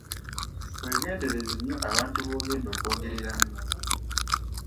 Weegendereze nnyo abantu b'ogenda okwogereramu.